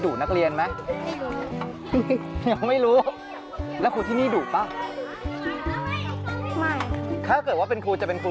โดยคุณย่าเนี่ยเล่าถึงการดูแลหลานทั้งสองคนซึ่งเป็นหลานสาวนะครับ